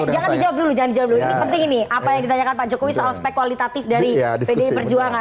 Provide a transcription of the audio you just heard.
jangan dijawab dulu jangan dijawab dulu ini penting ini apa yang ditanyakan pak jokowi soal spek kualitatif dari pdi perjuangan